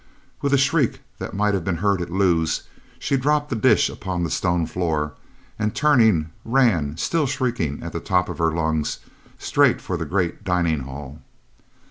With a shriek that might have been heard at Lewes, she dropped the dish upon the stone floor and, turning, ran, still shrieking at the top of her lungs, straight for the great dining hall.